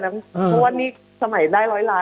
เพราะว่านี่สมัยได้๑๐๐ล้าน